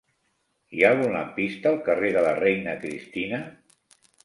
Hi ha algun lampista al carrer de la Reina Cristina?